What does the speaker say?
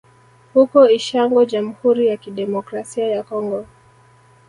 Huko Ishango Jamhuri ya Kidemokrasia ya Kongo